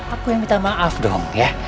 aku yang minta maaf dong ya